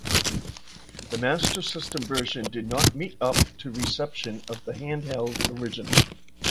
The Master System version did not meet up to reception of the handheld original.